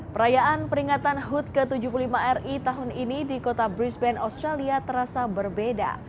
perayaan peringatan hud ke tujuh puluh lima ri tahun ini di kota brisbane australia terasa berbeda